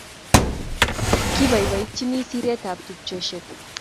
Kibaibaitynchini siret ab tupcheshek